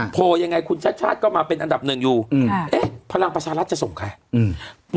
ภูลยังไงคุณชัดชาติกำลังมาเป็นอันดับหนึ่งอยู่ครับเอ๊ะผล่างประชารัฐจะส่งใครอืม